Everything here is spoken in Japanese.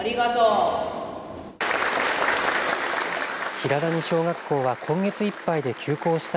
平谷小学校は今月いっぱいで休校した